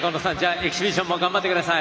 エキシビションも頑張ってください。